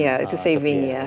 iya itu saving ya